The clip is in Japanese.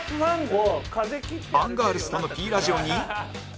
アンガールズとの Ｐ ラジオに